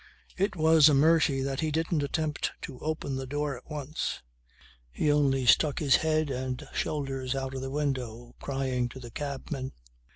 It was a mercy that he didn't attempt to open the door at once. He only stuck his head and shoulders out of the window crying to the cabman.